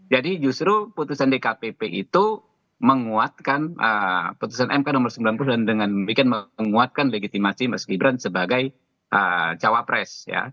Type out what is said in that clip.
justru putusan dkpp itu menguatkan putusan mk nomor sembilan puluh dan dengan menguatkan legitimasi mas gibran sebagai cawapres